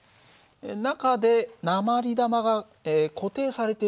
中で鉛玉が固定されている方